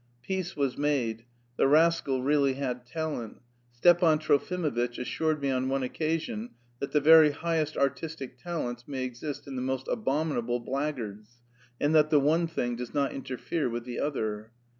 Peace was made. The rascal really had talent. Stepan Trofimovitch assured me on one occasion that the very highest artistic talents may exist in the most abominable blackguards, and that the one thing does not interfere with the other.